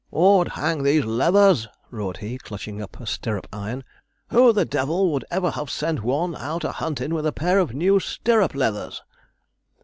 ''Ord hang these leathers,' roared he, clutching up a stirrup iron; 'who the devil would ever have sent one out a huntin' with a pair of new stirrup leathers?'